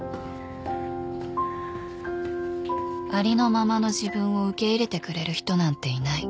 ［ありのままの自分を受け入れてくれる人なんていない］